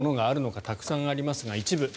どんなものがあるのかたくさんありますが、一部。